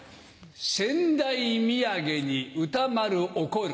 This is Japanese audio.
仙台土産に歌丸怒る。